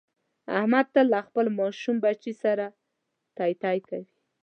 احمد تل له خپل ماشوم بچي سره تی تی کوي.